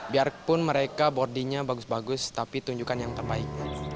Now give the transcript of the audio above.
biarpun mereka boardingnya bagus bagus tapi tunjukkan yang terbaik